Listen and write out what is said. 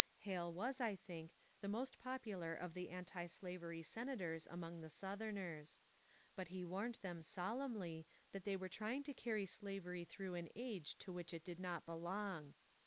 Hale was, I think, the most popular of the anti slavery senators among the Southerners. But he warned them solemnly that they were trying to carry slavery through an age to which it did not belong.